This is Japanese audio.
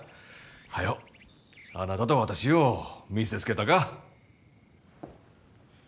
早うあなたと私を見せつけたか。